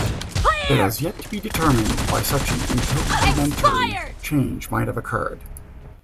It has yet to be determined why such an integumentary change might have occurred.